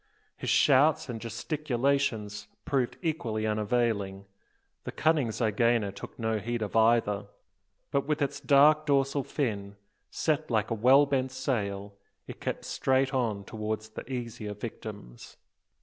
His shouts and gesticulations proved equally unavailing. The cunning zygaena took no heed of either; but with its dark dorsal fin, set like a well bent sail, it kept straight on towards the easier victims.